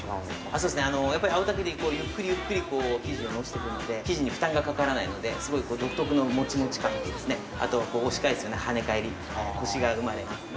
そうですね、やっぱり青竹でゆっくりゆっくり生地をのしていくので、生地が負担がかからないので、すごい独特のもちもち感と、あと、押し返すような跳ね返り、コシが生まれますね。